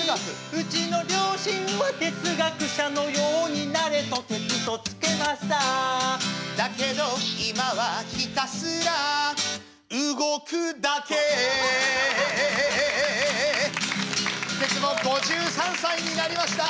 うちの両親は哲学者のようになれと「哲」と付けましただけど今はひたすら動くだけテツも５３歳になりました！